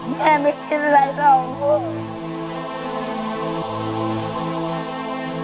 แม่ไม่คิดอะไรหรอก